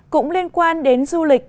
cũng liên quan đến du lịch